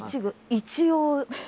一応。